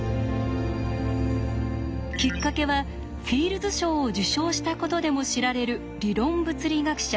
きっかけはフィールズ賞を受賞したことでも知られる理論物理学者